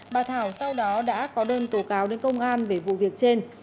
bà thảo sau đó đã có đơn tố cáo đến công an về vụ việc trên